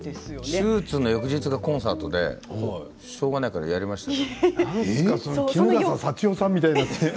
手術の翌日がコンサートでしょうがないから行ってきましたよ。